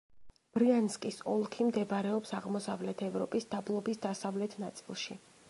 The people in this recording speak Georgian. ბრიანსკის ოლქი მდებარეობს აღმოსავლეთ ევროპის დაბლობის დასავლეთ ნაწილში.